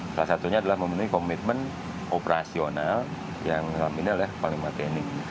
salah satunya adalah memenuhi komitmen operasional yang terlebih dahulu oleh public training